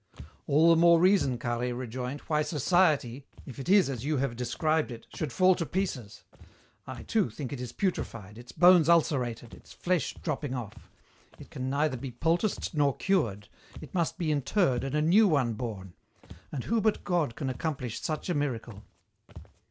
"All the more reason," Carhaix rejoined, "why society if it is as you have described it should fall to pieces. I, too, think it is putrefied, its bones ulcerated, its flesh dropping off. It can neither be poulticed nor cured, it must be interred and a new one born. And who but God can accomplish such a miracle?"